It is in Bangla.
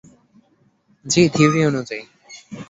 জ্বি, থিউরী অনুযায়ী।